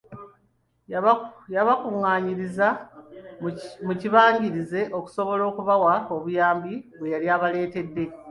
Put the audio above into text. Yabakungaanyiriza mu kibangirizi okusobola okubawa obuyambi bwe yali abaleetedde.